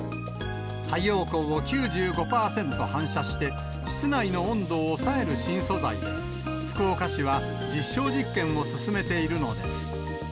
太陽光を９５％反射して、室内の温度を抑える新素材で、福岡市は実証実験を進めているのです。